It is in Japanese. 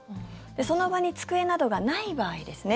その場に机などがない場合ですね